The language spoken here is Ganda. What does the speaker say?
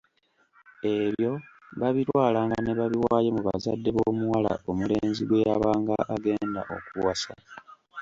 Ebyo babitwalanga ne babiwaayo mu bazadde b’omuwala omulenzi gwe yabanga agenda okuwasa.